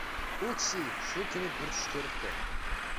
ئۇ كىشى شۇ كۈنى بىر چۈش كۆرۈپتۇ.